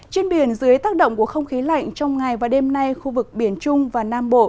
trên biển dưới tác động của không khí lạnh trong ngày và đêm nay khu vực biển trung và nam bộ